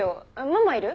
ママいる？